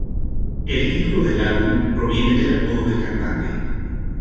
El título del álbum proviene del apodo del cantante.